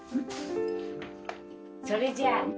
それじゃ。